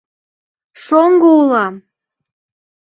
Шоҥго улам!